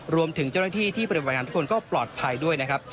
รวมถึงเจ้าหน้าที่ที่ปฏิบัติงานทุกคนก็ปลอดภัยด้วยนะครับ